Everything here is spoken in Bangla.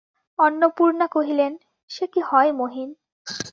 অন্নপূর্ণা কহিলেন, সে কি হয় মহিন।